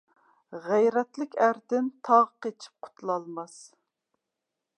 غەيرەتلىك ئەردىن تاغ قېچىپ قۇتۇلالماس.